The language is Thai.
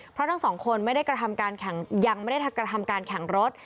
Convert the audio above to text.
เพราะทั้งสองคนไม่ได้กระทำการแข่งยังไม่ได้กระทำการแข่งรถ